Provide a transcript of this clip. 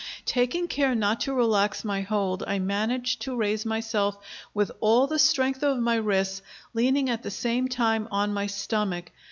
Taking care not to relax my hold, I managed to raise myself with all the strength of my wrists, leaning at the same time on my stomach.